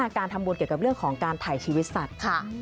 การทำบุญเกี่ยวกับเรื่องของการถ่ายชีวิตสัตว์ค่ะ